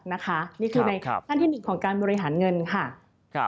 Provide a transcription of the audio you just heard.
นี่คือในขั้นที่๑ของการบริหารเงินค่ะ